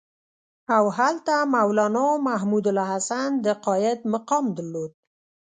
او هلته مولنا محمودالحسن د قاید مقام درلود.